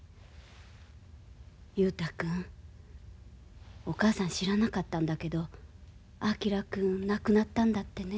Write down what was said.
雄太君お母さん知らなかったんだけど昭君亡くなったんだってね。